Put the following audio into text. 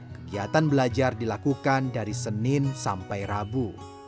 kegiatan belajar dilakukan dari senin sampai rabu